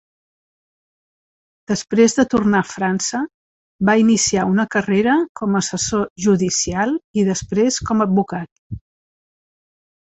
Després de tornar a França, va iniciar una carrera com assessor judicial i després com advocat.